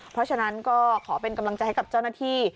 เพราะฉะนั้นก็ขอเป็นกำลังใจให้กับเจ้าหน้าที่